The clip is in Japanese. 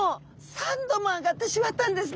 ３℃も上がってしまったんですね。